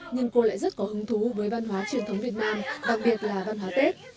nhưng cô lại rất có hứng thú với văn hóa truyền thống việt nam đặc biệt là văn hóa tết